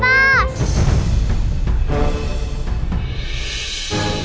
ya udah aku tunggu ya sayang